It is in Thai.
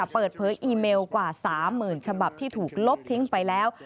เปิดเผยอีเมลกว่า๓๐๐๐ฉบับที่ถูกลบทิ้งไปแล้ว